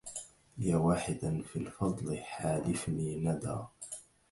يا واحدا في الفضل حالفني ندى